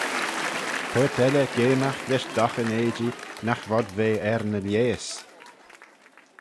Paart elley geamagh lesh doghan eajee nagh vod ve er ny lheihys.